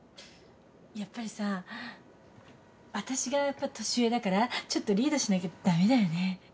やっぱりさ私がやっぱ年上だからちょっとリードしなきゃ駄目だよね？